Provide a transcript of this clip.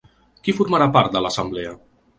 Qui formarà part de l’assemblea ?